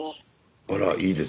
あらいいですね。